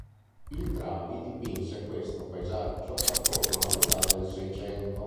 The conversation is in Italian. Il Travi dipinse questo paesaggio attorno alla metà del Seicento.